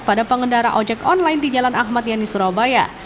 pada pengendara ojek online di jalan ahmad yani surabaya